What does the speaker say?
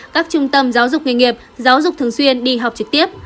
các trung tâm giáo dục nghề nghiệp giáo dục thường xuyên đi học trực tiếp